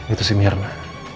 itu si mirna